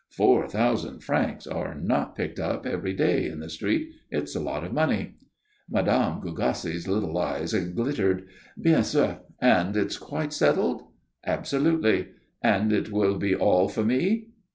Four thousand francs are not picked up every day in the street. It's a lot of money." Mme. Gougasse's little eyes glittered. "Bien sûr. And it's quite settled?" "Absolutely." "And it will be all for me?"